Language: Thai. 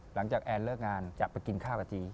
หลังจากแอนเลิกงานจะไปกินข้าวกับจี